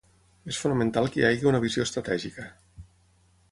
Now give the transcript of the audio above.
És fonamental que hi hagi una visió estratègica.